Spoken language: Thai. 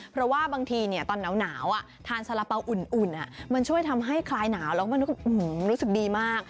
เพราะว่าบางทีตอนหนาวทานสาระเป๋าอุ่นมันช่วยทำให้คลายหนาวแล้วมันรู้สึกดีมาก